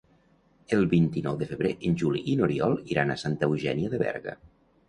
El vint-i-nou de febrer en Juli i n'Oriol iran a Santa Eugènia de Berga.